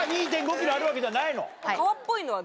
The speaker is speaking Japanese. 川っぽいのは。